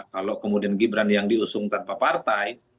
kalau kemudian gibran yang diusung tanpa partai